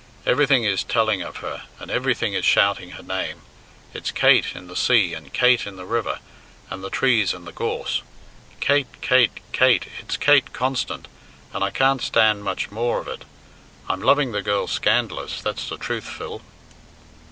Everything is telling of her, and everything is shouting her name. It's 'Kate' in the sea, and 'Kate' in the river, and the trees and the gorse. 'Kate,' 'Kate,' 'Kate,' it's Kate constant, and I can't stand much more of it. I'm loving the girl scandalous, that's the truth, Phil."